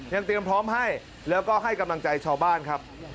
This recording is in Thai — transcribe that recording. ยังเตรียมพร้อมให้แล้วก็ให้กำลังใจชาวบ้านครับ